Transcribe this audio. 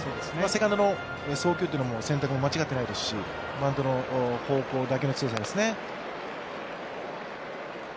セカンドの送球というのも選択も間違っていないですしバントの方向だけの強さですね。